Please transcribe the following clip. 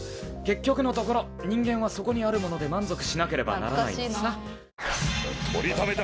「結局のところ人間はそこにあるもので満足しなければならないのさ」